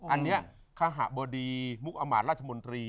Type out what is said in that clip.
อันนี้คาหมะบอร์ดีมุคอมารราชมนตรี